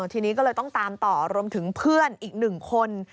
ทีนี้ก็เลยต้องตามต่อรวมถึงเพื่อนอีก๑คน